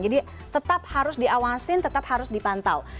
tetap harus diawasin tetap harus dipantau